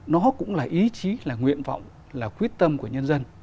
nó cũng là ý chí là nguyện vọng là quyết tâm của nhân dân